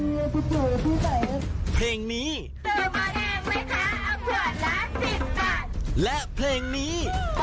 เพราะแดงแจกแล้วผู้โชคดีรับไปแล้ว